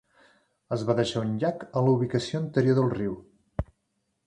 Es va deixar un llac a la ubicació anterior del riu.